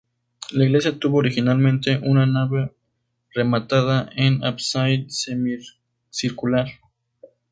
La iglesia tuvo originalmente una nave rematada en ábside semicircular.